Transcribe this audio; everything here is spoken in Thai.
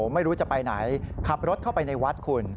ไม่รู้จะไปไหนขับรถเข้าไปในวัดคุณ